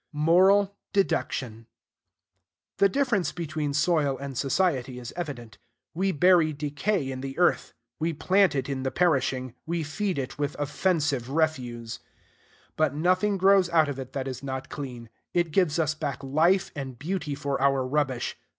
Moral Deduction. The difference between soil and society is evident. We bury decay in the earth; we plant in it the perishing; we feed it with offensive refuse: but nothing grows out of it that is not clean; it gives us back life and beauty for our rubbish.